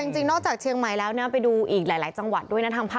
ตระวังด้วยนะ